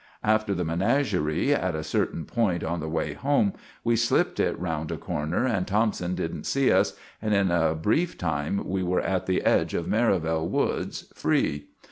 After the menaggeree, at a certain point on the way home, we slipped it round a corner, and Thompson didn't see us, and in a breef time we were at the edge of Merivale Woods, free.